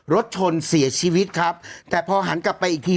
รถชนเสียชีวิตครับแต่พอหันกลับไปอีกที